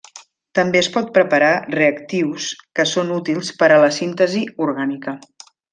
També es pot preparar reactius que són útils per a la síntesi orgànica.